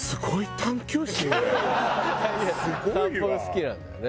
散歩が好きなんだよね。